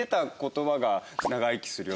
「長生きするよ！！」